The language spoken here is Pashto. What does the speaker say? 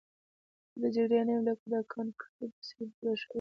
زه د جګړې نه یم لکه د کانت ګریفي په څېر بوډا شوی یم.